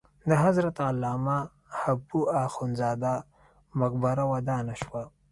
د حضرت علامه حبو اخند زاده مقبره ودانه شوه.